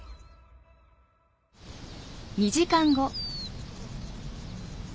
２時間後。